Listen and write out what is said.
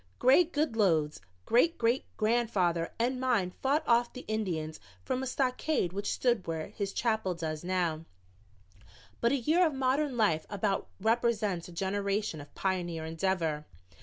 "Greg Goodloe's great great grandfather and mine fought off the Indians from a stockade which stood where his chapel does now, but a year of modern life about represents a generation of pioneer endeavor."